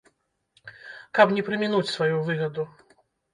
Каб не прамінуць сваю выгаду.